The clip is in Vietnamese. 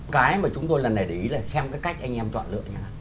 cái mà chúng tôi lần này để ý là xem cái cách anh em chọn lựa nhà